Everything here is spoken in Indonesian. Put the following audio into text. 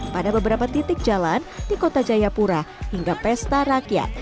pada beberapa titik jalan di kota jayapura hingga pesta rakyat